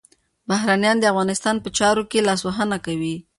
بهرنیان د افغانستان په چارو کي لاسوهنه کوي.